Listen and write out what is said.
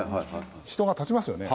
人が立ちますよね。